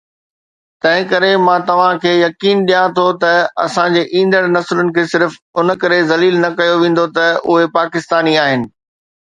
تنهن ڪري مان توهان کي يقين ڏيان ٿو ته اسان جي ايندڙ نسلن کي صرف ان ڪري ذليل نه ڪيو ويندو ته اهي پاڪستاني آهن